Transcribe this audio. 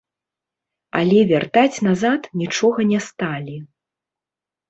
Але вяртаць назад нічога не сталі.